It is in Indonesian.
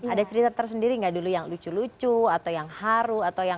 ada cerita tersendiri gak dulu yang lucu lucu atau yang haru